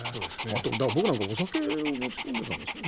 あと、僕なんかお酒を持ち込んでいたんですよね。